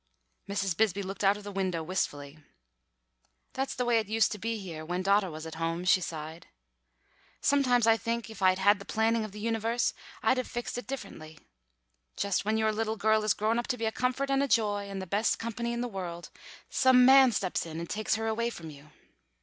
Mrs. Bisbee looked out of the window wistfully at nothing. "That's the way that it used to be here when daughter was at home," she sighed. "Sometimes I think if I'd had the planning of the universe I'd have fixed it differently. Just when your little girl is grown up to be a comfort and a joy, and the best company in the world, some man steps in and takes her away from you.